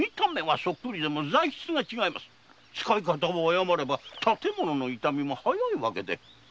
使い方を誤れば建物の傷みも早いわけで。